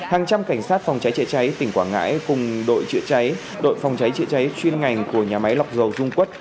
hàng trăm cảnh sát phòng cháy chữa cháy tỉnh quảng ngãi cùng đội chữa cháy đội phòng cháy chữa cháy chuyên ngành của nhà máy lọc dầu dung quất